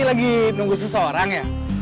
lagi nunggu seseorang ya